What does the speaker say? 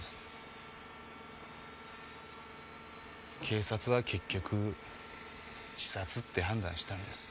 警察は結局自殺って判断したんです。